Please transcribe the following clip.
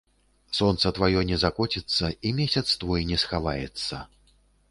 Сонца тваё не закоціцца, і месяц твой не схаваецца.